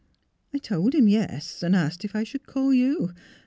I told him yes, and asked if I should call you.